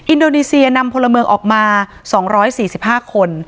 อินโดนีเซียนำพลเมืองออกมา๒๔๕คน